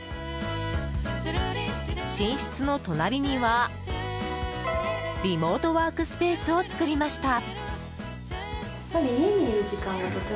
寝室の隣にはリモートワークスペースを作りました。